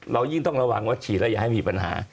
ยิ่งต้องระวังว่าฉีดแล้วอย่าให้มีปัญหา